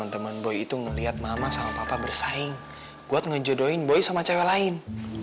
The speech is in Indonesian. teman boy itu ngeliat mama sama papa bersaing buat ngejodohin boy sama cewek lain